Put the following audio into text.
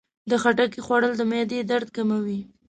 د خټکي خوړل د معدې درد کموي.